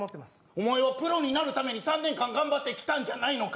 お前はプロになるため３年間頑張ってきたんじゃないのか？